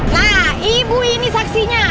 nah ibu ini saksinya